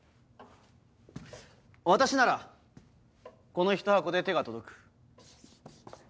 私ならこのひと箱で手が届く。